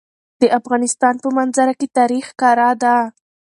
د افغانستان په منظره کې تاریخ ښکاره ده.